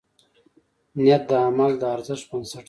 نیت د عمل د ارزښت بنسټ دی.